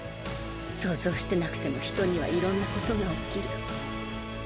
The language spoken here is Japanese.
想像してなくても人にはいろんなことが起きる。